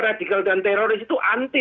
radikal dan teroris itu anti